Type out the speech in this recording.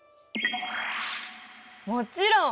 もちろん！